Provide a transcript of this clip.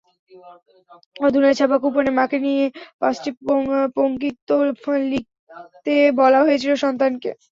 অধুনায় ছাপা কুপনে মাকে নিয়ে পাঁচটি পঙ্ক্তি লিখতে বলা হয়েছিল সন্তানকে।